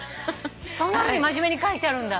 そんなふうに真面目に書いてあるんだ。